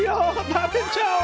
食べちゃおう！